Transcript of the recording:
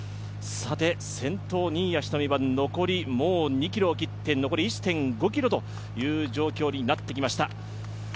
先頭、新谷仁美は残り２ｋｍを切って、残り１．５ｋｍという状況になってきました。